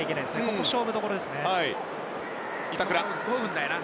ここ、勝負どころですね。